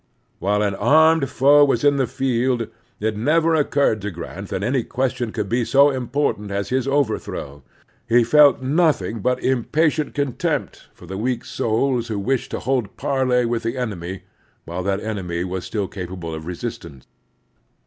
While an armed foe was in the field, it never occurred to Grant that any question cotdd be so important as his overthrow. He felt nothing but impatient contempt for the weak souls who wished to hold parley with the enemy while that enemy was still capable of resistance.